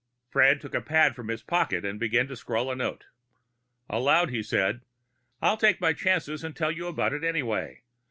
Fred took a pad from his pocket and began to scrawl a note. Aloud he said, "I'll take my chances and tell you about it anyway.